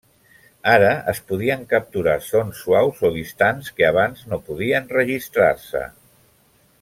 Ara es podien capturar sons suaus o distants que abans no podien registrar-se.